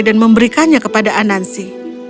dan memberikannya kepada anansi